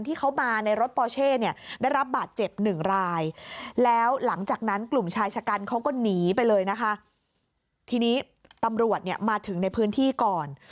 ทีนี้ตำรวจมาถึงในพื้นที่ก่อน